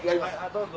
どうぞ。